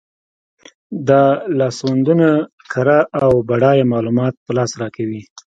دا لاسوندونه کره او بډایه معلومات په لاس راکوي.